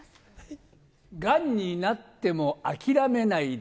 がんになっても諦めないで。